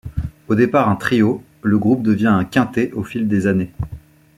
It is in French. Au départ un trio, le groupe devient un quintet au fil des années.